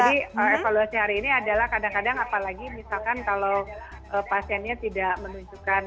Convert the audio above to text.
jadi evaluasi hari ini adalah kadang kadang apalagi misalkan kalau pasiennya tidak menunjukkan